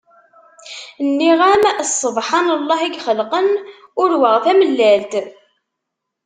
Nniɣ-am s ssebḥan llah ixelqen, urweɣ tamellalt!!